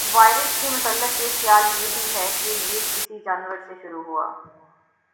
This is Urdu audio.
وائرس کے متعلق ایک خیال یہ بھی ہے کہ یہ کسی جانور سے شروع ہوا